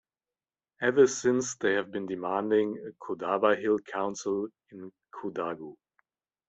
Ever since they have been demanding a Kodava hill council in Kodagu.